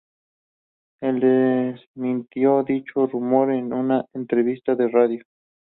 El desmintió dicho rumor en una entrevista de radio.